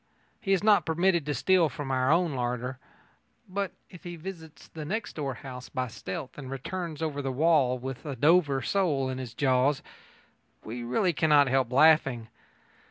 He is not permitted to steal from our own larder. But if he visits the next door house by stealth and returns over the wall with a Dover sole in his jaws, we really cannot help laughing.